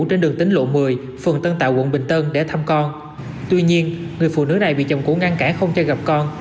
trên đường tính lộ một mươi phường tân tạo quận bình tân để thăm con tuy nhiên người phụ nữ này bị chồng cũ ngăn cản không cho gặp con